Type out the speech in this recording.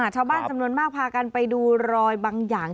ชาวบ้านจำนวนมากพากันไปดูรอยบางอย่าง